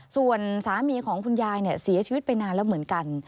ส่วนสามีของคุณยายเสียชีวิตไปนานแล้วเหมือนกัน